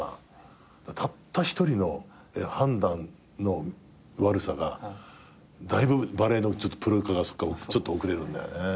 たった１人の判断の悪さがだいぶバレーのプロ化がそっからちょっと遅れるんだよね。